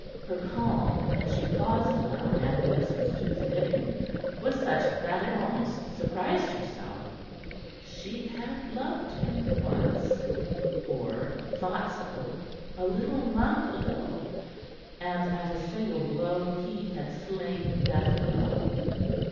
Her calm, as she paused now in acquiescence to his bidding, was such that it almost surprised herself. She had loved him once or thought so, a little month ago and at a single blow he had slain that love.